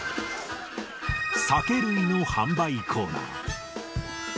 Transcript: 酒類の販売コーナー。